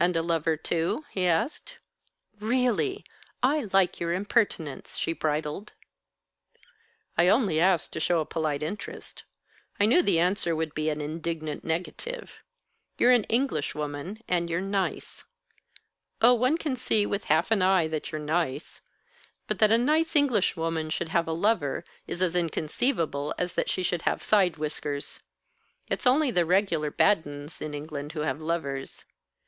"And a lover, too?" he asked. "Really! I like your impertinence!" she bridled. "I only asked to show a polite interest. I knew the answer would be an indignant negative. You're an Englishwoman, and you're nice. Oh, one can see with half an eye that you're nice. But that a nice Englishwoman should have a lover is as inconceivable as that she should have side whiskers. It's only the reg'lar bad uns in England who have lovers.